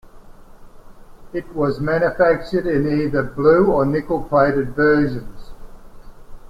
It was manufactured in either blue or nickel-plated versions.